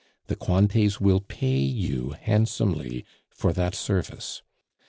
... The Cointets will pay you handsomely for that service.